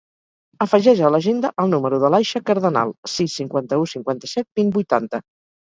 Afegeix a l'agenda el número de l'Aisha Cardenal: sis, cinquanta-u, cinquanta-set, vint, vuitanta.